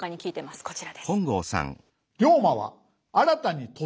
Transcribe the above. こちらです。